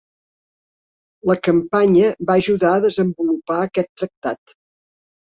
La campanya va ajudar a desenvolupar aquest Tractat.